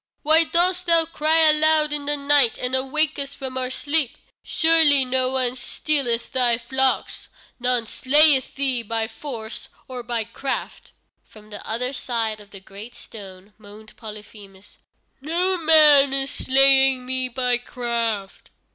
"Why dost thou cry aloud in the night and awake us from our sleep? Surely no one stealeth thy flocks? None slayeth thee by force or by craft." From the other side of the great stone moaned Polyphemus: "Noman is slaying me by craft."